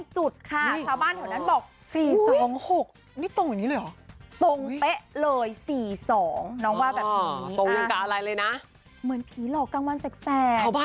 ชาวบ้านบอกอุ้ยผีหลอกกังวลแสกหรือเปล่า